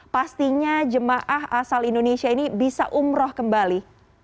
pastinya jemaah asal indonesia ini bisa umroh kembali